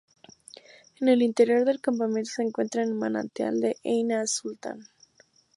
En el interior del campamento se encuentra el manantial de ʿEin as-Sulṭān.